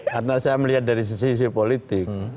karena saya melihat dari sisi sisi politik